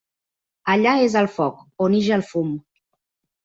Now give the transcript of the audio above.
Allà és el foc, on ix el fum.